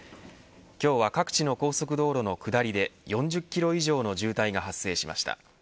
今日は各地の高速道路の下りで４０キロ以上の渋滞が発生しました。